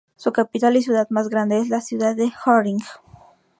Su capital y ciudad más grande es la ciudad de Hjørring.